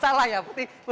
salah ya putih